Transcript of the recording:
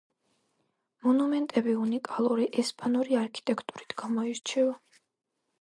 მონუმენტები უნიკალური, ესპანური არქიტექტურით გამოირჩევა.